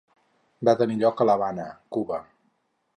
Va tenir lloc a l'Havana, Cuba.